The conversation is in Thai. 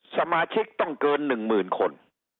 สมาชิกต้องเกิน๑หมื่นคน